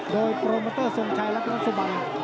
โดยโปรโมเตอร์ส่งไทยรัฐและสุบัง